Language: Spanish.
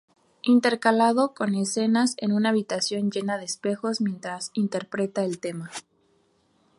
Intercalado con escenas en una habitación llena de espejos mientras interpreta el tema.